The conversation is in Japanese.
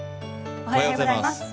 おはようございます。